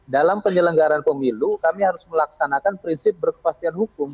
dalam penyelenggaran pemilu kami harus melaksanakan prinsip berkepastian hukum